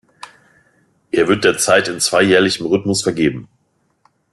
Er wird derzeit in zweijährlichem Rhythmus vergeben.